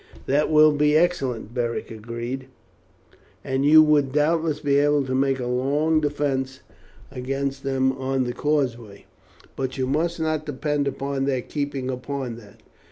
"That will be excellent," Beric agreed, "and you would doubtless be able to make a long defence against them on the causeway. But you must not depend upon their keeping upon that.